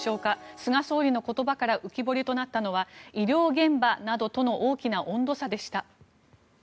菅総理の言葉から浮き彫りとなったのは医療減などとの大きな温度差でした。